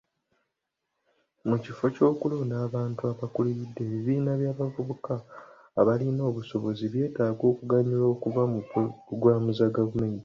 Mu kifo ky'okulonda abantu abakuliridde, ebibiina by'abavubuka abalina obusobozi byetaaga okuganyulwa okuva mu pulogulaamu za gavumenti.